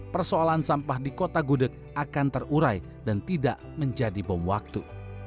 persoalan sampah di kota gudeg akan terurai dan tidak menjadi bom waktu